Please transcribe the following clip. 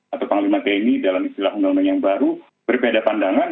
atau panglima tni dalam istilah undang undang yang baru berbeda pandangan